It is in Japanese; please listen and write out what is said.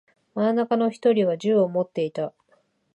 真ん中の一人は銃を持っていた。